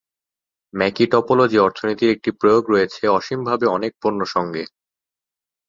Mackie topology অর্থনীতির একটি প্রয়োগ রয়েছে অসীমভাবে অনেক পণ্য সঙ্গে।